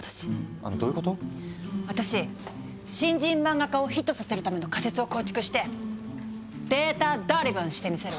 私新人漫画家をヒットさせるための仮説を構築してデータドリブンしてみせるわ。